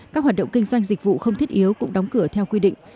các hoạt động kinh doanh dịch vụ không thiết yếu cũng đóng cửa theo quy định